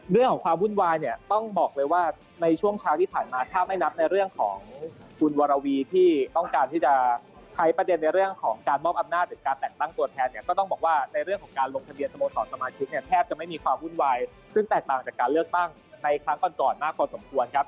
เรื่องของความวุ่นวายเนี่ยต้องบอกเลยว่าในช่วงเช้าที่ผ่านมาถ้าไม่นับในเรื่องของคุณวรวีที่ต้องการที่จะใช้ประเด็นในเรื่องของการมอบอำนาจหรือการแต่งตั้งตัวแทนเนี่ยก็ต้องบอกว่าในเรื่องของการลงทะเบียนสโมสรสมาชิกเนี่ยแทบจะไม่มีความวุ่นวายซึ่งแตกต่างจากการเลือกตั้งในครั้งก่อนก่อนมากพอสมควรครับ